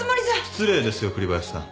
失礼ですよ栗林さん。